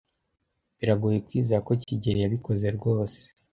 Biragoye kwizera ko kigeli yabikoze rwose.